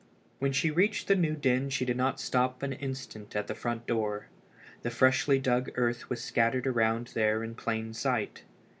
When she reached the new den she did not stop an instant at the front door. The freshly dug earth was scattered around there in plain sight.